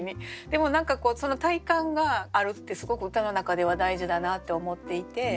でも何か体感があるってすごく歌の中では大事だなって思っていて。